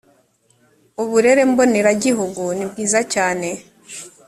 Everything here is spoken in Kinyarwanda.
uburere mbonera gihugu ni bwiza cyane.